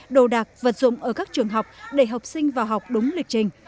đồ đạc vật dụng ở các trường học để học sinh vào học đúng lịch trình